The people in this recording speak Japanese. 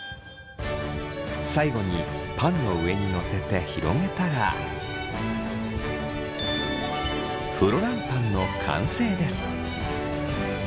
最後にパンの上にのせて広げたらフロランパンの完成です。